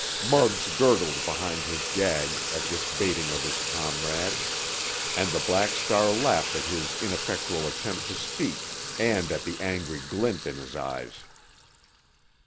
Muggs gurgled behind his gag at this baiting of his comrade, and the Black Star laughed at his ineffectual attempt to speak and at the angry glint in his eyes.